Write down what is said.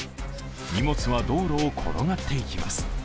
荷物は道路を転がっていきます。